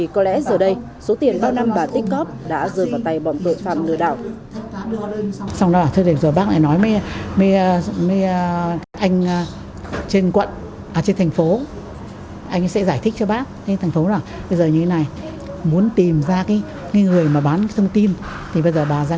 số tiền bao năm bà tích cấp đã rượt vào tay bọn tội phạm lừa đảo